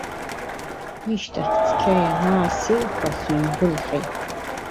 Ишьҭахь цқьа ианаасеиха, сҩдәылҟьеит.